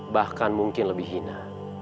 bahkan mungkin lebih hina